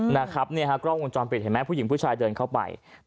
นะครับเนี่ยฮะกล้องวงจรปิดเห็นไหมผู้หญิงผู้ชายเดินเข้าไป